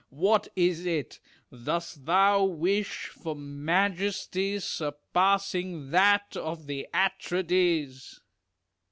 What is it ? Dost thou wish for majesty surpassing that of the Atrides ?